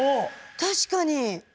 確かに。